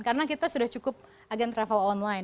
karena kita sudah cukup agen travel online